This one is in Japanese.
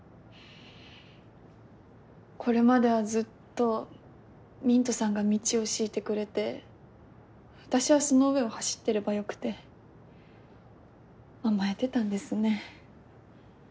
これまではずっとミントさんが道を敷いてくれて私はその上を走ってればよくて甘えてたんですね。